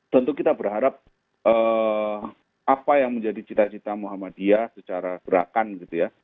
tentu kita berharap apa yang menjadi cita cita muhammadiyah secara gerakan gitu ya